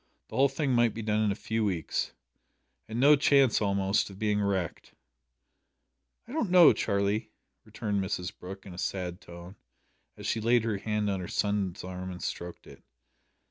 The whole thing might be done in a few weeks; and no chance, almost, of being wrecked." "I don't know, Charlie," returned Mrs Brooke, in a sad tone, as she laid her hand on her son's arm and stroked it.